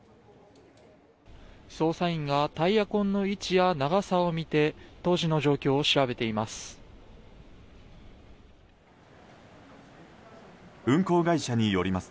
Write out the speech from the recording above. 捜査員がタイヤ痕の位置や長さを見て当時の状況を調べています。